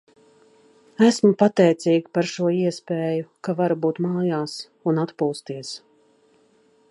Esmu pateicīga par šo iespēju, ka varu būt mājās un atpūsties.